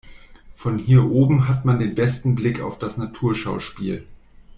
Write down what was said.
Von hier oben hat man den besten Blick auf das Naturschauspiel.